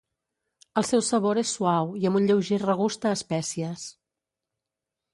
El seu sabor és suau i amb un lleuger regust a espècies.